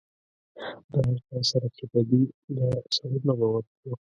د هر چا سره چې بدي ده سرونه به ورکړو.